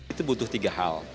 itu butuh tiga hal